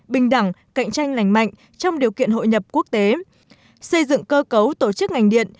bình đẳng cạnh tranh lành mạnh trong điều kiện hội nhập quốc tế xây dựng cơ cấu tổ chức ngành điện